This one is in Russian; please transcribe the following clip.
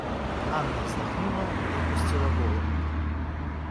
Анна вздохнула и опустила голову.